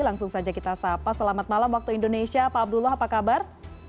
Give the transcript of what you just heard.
langsung saja kita sapa selamat malam waktu indonesia pak abdullah apa kabar